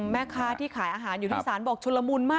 แม่ค้าที่ขายอาหารอยู่ที่ศาลบอกชุนละมุนมาก